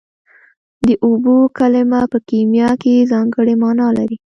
د اوبو کلمه په کیمیا کې ځانګړې مانا لري